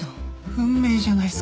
運命じゃないっすか。